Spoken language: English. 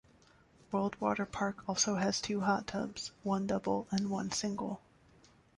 World Waterpark also has two hot tubs: one double and one single.